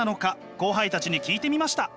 後輩たちに聞いてみました。